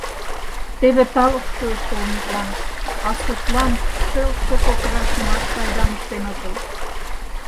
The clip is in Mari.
Теве талук шуэш толметлан, а суртлан шелше кокырашымат пайдам ыштен отыл!